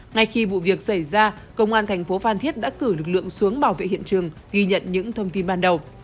ngay khi vụ việc xảy ra công an thành phố phan thiết đã cử lực lượng xuống bảo vệ hiện trường ghi nhận những thông tin ban đầu